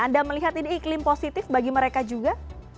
anda melihat ini iklim positif bagi mereka juga